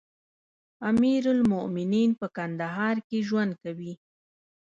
امير المؤمنين په کندهار کې ژوند کوي.